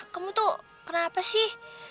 kamu tuh kenapa sih